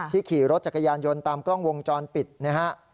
ขี่รถจักรยานยนต์ตามกล้องวงจรปิดนะฮะ